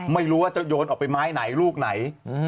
ไม่รู้ว่าเจ้าโยนออกไปไม้ไหนลูกไหน